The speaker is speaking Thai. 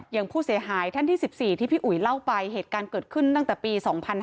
อย่างผู้เสียหายท่านที่๑๔ที่พี่อุ๋ยเล่าไปเหตุการณ์เกิดขึ้นตั้งแต่ปี๒๕๕๙